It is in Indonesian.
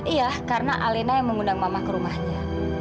iya karena alena yang mengundang mama ke rumahnya